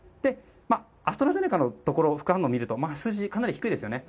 アストラゼネカのところ副反応を見ると数字がかなり低いですよね。